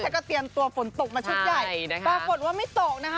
ก็เตรียมตัวฝนตกมาชุดใหญ่ปรากฏว่าไม่ตกนะคะ